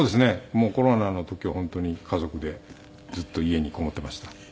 もうコロナの時は本当に家族でずっと家に籠もっていました。